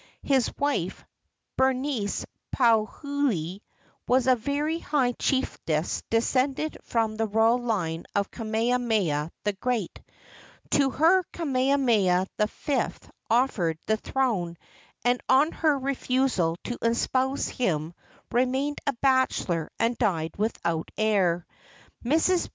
His wife, Berenice Pauahi, was a very high chiefess de¬ scended from the royal line of Kamehameha the Great. To her Kamehameha V. offered the throne, and on her refusal to espouse him remained a bachelor and died without heir. Mrs.